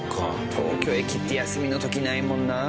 東京駅って休みの時ないもんなあ。